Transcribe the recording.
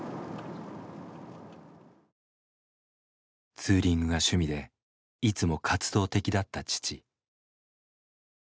ツーリングが趣味でいつも活動的だった父。